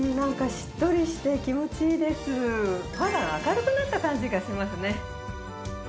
お肌が明るくなった感じがしますね。